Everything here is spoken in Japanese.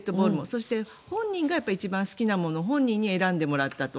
そして、本人が一番好きなものを本人に選んでもらったと。